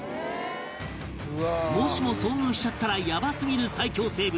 もしも遭遇しちゃったらヤバすぎる最恐生物